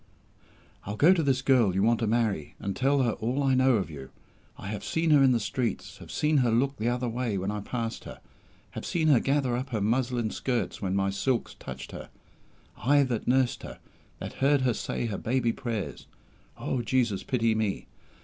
"I'll go to this girl you want to marry, and tell her all I know of you. I have seen her in the streets have seen her look the other way when I passed her have seen her gather up her muslin skirts when my silks touched her I that nursed her, that heard her say her baby prayers (O Jesus, pity me!)